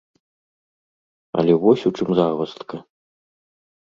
Але вось у чым загваздка.